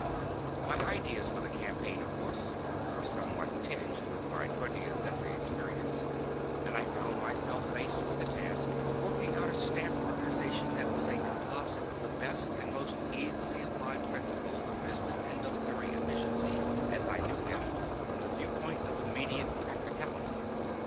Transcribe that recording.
My ideas for the campaign, of course, were somewhat tinged with my 20th Century experience, and I found myself faced with the task of working out a staff organization that was a composite of the best and most easily applied principles of business and military efficiency, as I knew them from the viewpoint of immediate practicality.